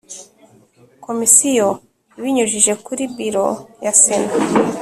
Komisiyo ibinyujije kuri biro ya sena